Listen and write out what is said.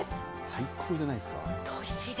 最高じゃないですか。